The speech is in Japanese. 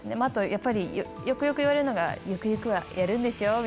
あとやっぱり、よくよく言われるのが、ゆくゆくはやるんでしょ？